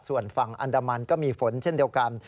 ส่วนฝั่งอันดามันก็มีฝนเช่นเดียวกัน